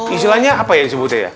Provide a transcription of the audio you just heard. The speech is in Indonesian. istilahnya apa ya disebutnya ya